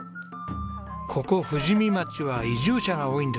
ここ富士見町は移住者が多いんですね。